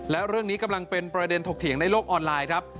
และเรื่องนี้กำลังเป็นประเด็นถกเถียงในโลกออนไลน์ครับ